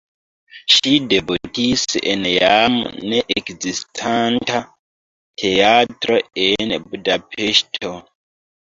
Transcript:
Ŝi debutis en jam ne ekzistanta teatro en Budapeŝto.